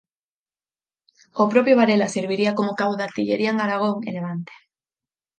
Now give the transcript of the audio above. O propio Varela serviría como cabo de artillería en Aragón e Levante.